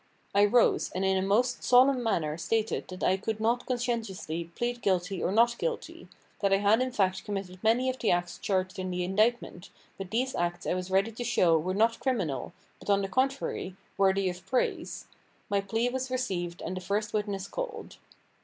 I rose, and in a most solemn manner stated that I could not conscientiously plead guilty or not guilty; that I had in fact committed many of the acts charged in the indictment, but these acts I was ready to show were not criminal, but on the contrary, worthy of praise. My plea was received and the first witness called.